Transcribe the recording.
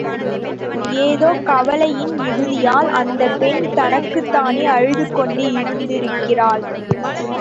ஏதோ கவலையின் மிகுதியால் அந்தப் பெண் தனக்குத்தானே அழுது கொண்டு இருந்திருக்கிறாள்.